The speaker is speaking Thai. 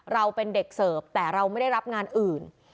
เราเป็นเด็กเสิร์ฟแต่เราไม่ได้รับงานอื่น